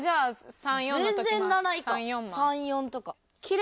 ３４とか。